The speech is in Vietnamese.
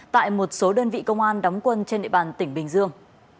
tại một số đơn vị công an đóng quân trên địa bàn tỉnh bình dương